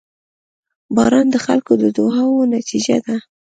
• باران د خلکو د دعاوو نتیجه ده.